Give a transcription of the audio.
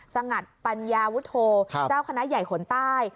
สงัดปัญญาวุฒโธเจ้าคณะใหญ่ขนใต้